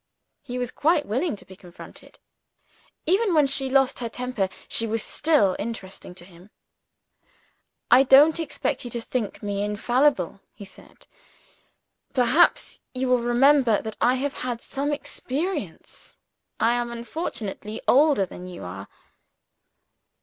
He was quite willing to be confuted. Even when she lost her temper, she was still interesting to him. "I don't expect you to think me infallible," he said. "Perhaps you will remember that I have had some experience. I am unfortunately older than you are."